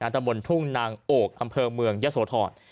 ตรงบนทุ่งนางโอกอำเภอเมืองยะสวทอด